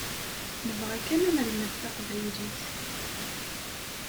Nebɣa kan ad nelmed taqbaylit.